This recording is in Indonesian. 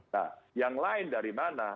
nah yang lain dari mana